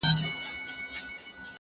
ليکنه وکړه؟